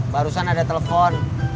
barusan ada telepon